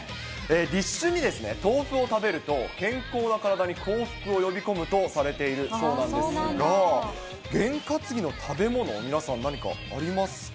立春に豆腐を食べると、健康な体に幸福を呼び込むとされているそうなんですが、験担ぎの食べ物、皆さん、何かありますか？